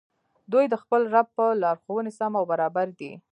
دوى د خپل رب په لارښووني سم او برابر دي